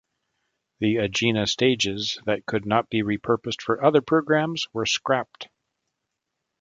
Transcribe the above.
The Agena stages that could not be repurposed for other programs were scrapped.